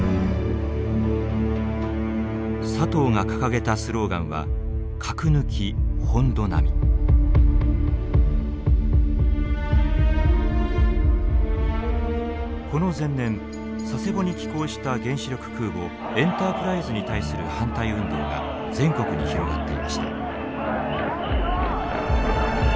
佐藤が掲げたスローガンはこの前年佐世保に寄港した原子力空母エンタープライズに対する反対運動が全国に広がっていました。